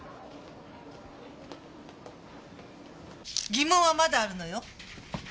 疑問はまだあるのよ。